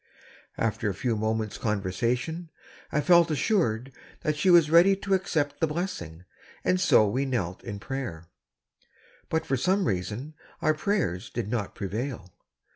After a few moments' conversation, I felt assured that she was ready to accept the blessing, and so we knelt in prayer; but for some reason our prayers did not prevail.